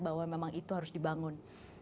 bahwa memang itu harus dibangun